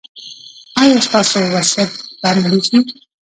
ایا ستاسو وصیت به عملي شي؟